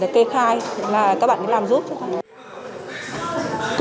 và kê khai và các bạn làm giúp cho tôi